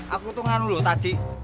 aku tuh nganu loh tadi